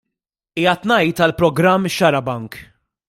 Qiegħed ngħid għall-programm Xarabank.